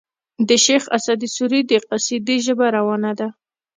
د شېخ اسعد سوري د قصيدې ژبه روانه ده.